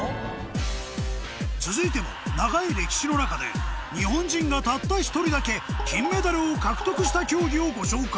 続いても長い歴史の中で日本人がたった１人だけ金メダルを獲得した競技をご紹介。